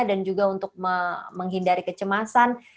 dan juga untuk menghindari kecemasan